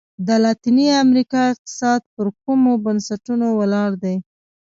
د لاتیني امریکا اقتصاد پر کومو بنسټونو ولاړ دی؟